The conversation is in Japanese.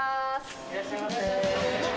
いらっしゃいませ。